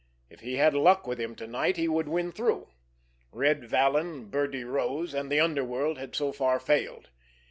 If he had luck with him to night he would win through. Red Vallon, Birdie Rose and the underworld had so far failed.